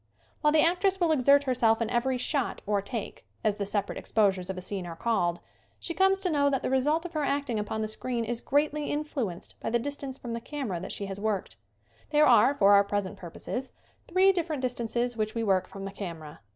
WHILE THE actress will exert herself in every "shot" or "take" as the separate ex posures of a scene are called she comes to know that the result of her acting upon the screen is greatly influenced by the distance from the camera that she has worked. There are, for our present purposes, three different distances which we work from the camera.